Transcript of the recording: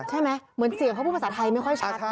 เหมือนเสียงเขาพูดภาษาไทยไม่ค่อยชัด